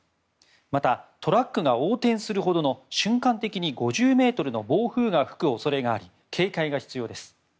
また、トラックが横転するほどの瞬間的に５０メートルの暴風が吹く恐れがあり警戒が必要です。